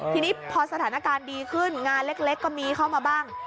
ทีนี้พอสถานการณ์ดีขึ้นงานเล็กก็มีเข้ามาบ้าง